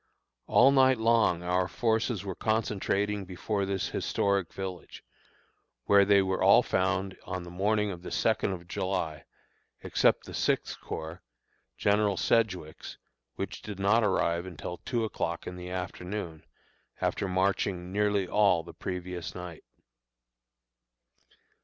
All night long our forces were concentrating before this historic village, where they were all found on the morning of the second of July, except the Sixth Corps, General Sedgwick's, which did not arrive until two o'clock in the afternoon, after marching nearly all the previous night.